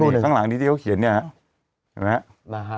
นี่นี่ทางหลังนี้ที่เขาเขียนเนี่ยเห็นมั้ยฮะ